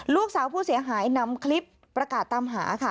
ลูกสาวผู้เสียหายนำคลิปประกาศตามหาค่ะ